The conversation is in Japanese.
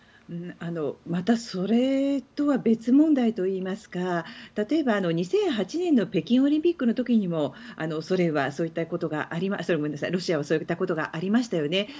またそれとは別問題といいますか例えば２００８年の北京オリンピックの時にもロシアはそういったことがありましたよね。